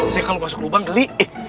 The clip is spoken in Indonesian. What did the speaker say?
saya kalau masuk lubang geli